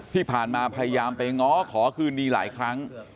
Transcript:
ที่ผ่านมาพยายามไปง้อขอคืนดีหลายครั้ง